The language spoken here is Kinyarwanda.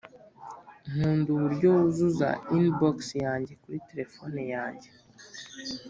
nkunda uburyo wuzuza inbox yanjye kuri terefone yanjye